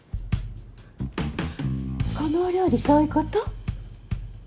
このお料理そういうこと？